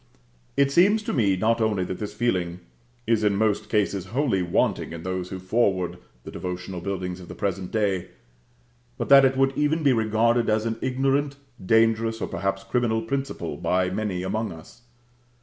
It seems to me, not only that this feeling is in most cases wholly wanting in those who forward the devotional buildings of the present day; but that it would even be regarded as an ignorant, dangerous, or perhaps criminal principle by many among us.